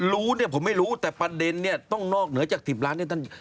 รู้เนี่ยผมไม่รู้แต่ประเด็นเนี่ยต้องนอกเหนือจาก๑๐ล้านให้ท่าน